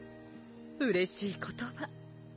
うれしい言葉。